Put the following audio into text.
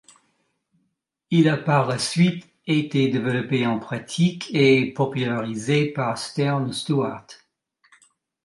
Il a par la suite été développé en pratique et popularisé par Stern Stewart.